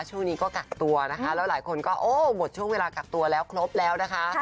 ช่วงนี้ก็กักตัวนะคะแล้วหลายคนก็โอ้หมดช่วงเวลากักตัวแล้วครบแล้วนะคะ